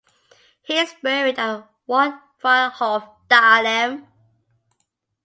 He is buried at the Waldfriedhof Dahlem.